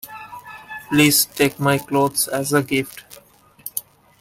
Please take my clothes as a gift.